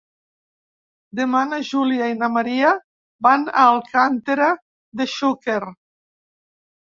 Demà na Júlia i na Maria van a Alcàntera de Xúquer.